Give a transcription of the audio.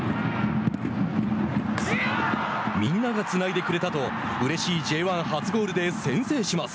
みんながつないでくれたとうれしいＪ１初ゴールで先制します。